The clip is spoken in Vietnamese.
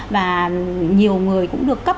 và nhiều người cũng được cấp